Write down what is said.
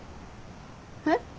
えっ？